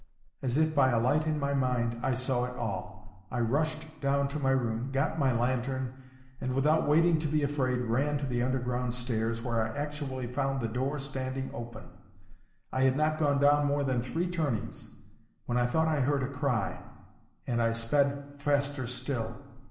As if by a light in my mind, I saw it all. I rushed down to my room, got my lantern, and, without waiting to be afraid, ran to the underground stairs, where I actually found the door standing open. I had not gone down more than three turnings, when I thought I heard a cry, and I sped faster still.